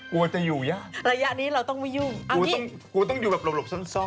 กลัวจะอยู่ยากอันนี้กลัวต้องอยู่แบบหลบซ้อน